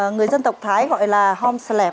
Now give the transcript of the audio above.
người dân tộc thái gọi là hom slep